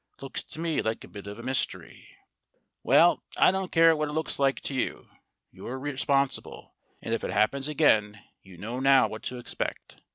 Looks to me like a bit of a mystery." "Well, I don't care what it looks like to you. You're responsible; and if it happens again, you know now what to expect.